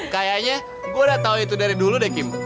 kayaknya gue udah tau itu dari dulu deh kim